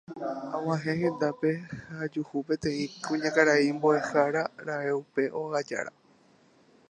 Ag̃uahẽ hendápe ha ajuhu peteĩ kuñakarai mbo'ehára ra'e upe óga jára.